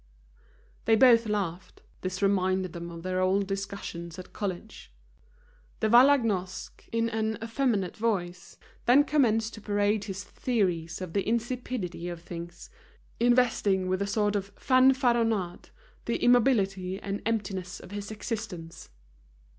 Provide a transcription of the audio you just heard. They both laughed, this reminded them of their old discussions at college. De Vallagnosc, in an effeminate voice, then commenced to parade his theories of the insipidity of things, investing with a sort of fanfaronade the immobility and emptiness of his existence.